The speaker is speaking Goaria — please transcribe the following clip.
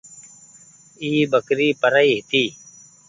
اي ٻڪري پرآئي هيتي۔